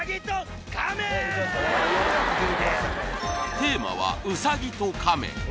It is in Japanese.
テーマは「ウサギとカメ」